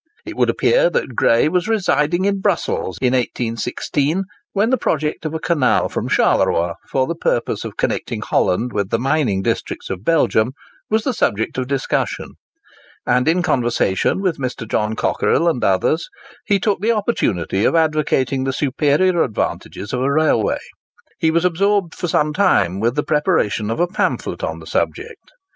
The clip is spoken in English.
It would appear that Gray was residing in Brussels in 1816, when the project of a canal from Charleroi, for the purpose of connecting Holland with the mining districts of Belgium, was the subject of discussion; and, in conversation with Mr. John Cockerill and others, he took the opportunity of advocating the superior advantages of a railway. He was absorbed for some time with the preparation of a pamphlet on the subject.